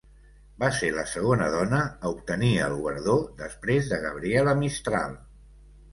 Va ser la segona dona a obtenir el guardó després de Gabriela Mistral.